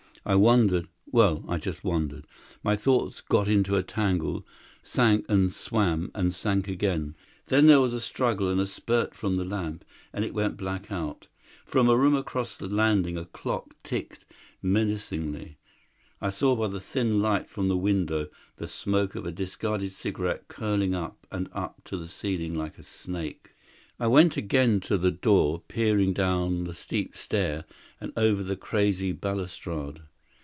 I wondered ... well, I just wondered. My thoughts got into a tangle, sank, and swam, and sank again. Then there was a sudden struggle and spurt from the lamp, and it went black out. From a room across the landing a clock ticked menacingly. I saw, by the thin light from the window, the smoke of a discarded cigarette curling up and up to the ceiling like a snake. I went again to the door, peered down the steep stair and over the crazy balustrade.